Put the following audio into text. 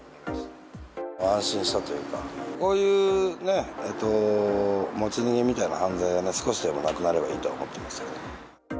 安心したというか、こういうね、持ち逃げみたいな犯罪が少しでもなくなればいいと思ってますけど。